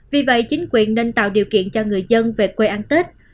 vì vậy chính quyền nên tạo điều kiện cho người dân về quê ăn tết